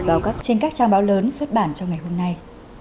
trên các trang báo lớn xuất bản cho ngày hôm nay